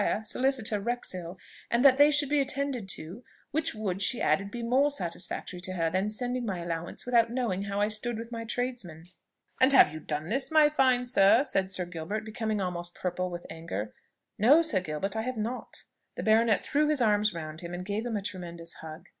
solicitor, Wrexhill; and that they should be attended to; which would, she added, be more satisfactory to her than sending my allowance without knowing how I stood with my tradesmen." "And have you done this, my fine sir?" said Sir Gilbert, becoming almost purple with anger. "No, Sir Gilbert, I have not." The baronet threw his arms round him, and gave him a tremendous hug.